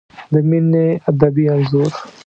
د مینې ادبي انځور